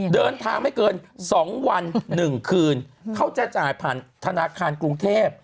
เดินทางไม่เกิน๒วัน๑คืนเขาจะจ่ายผ่านธนาคารกรุงเทพ